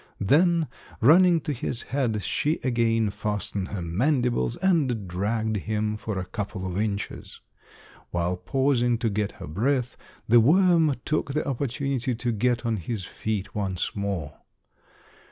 Then running to his head she again fastened her mandibles and dragged him for a couple of inches. While pausing to get her breath, the worm took the opportunity to get on his feet once more.